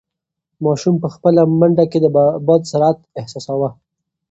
ماشوم په خپله منډه کې د باد سرعت احساساوه.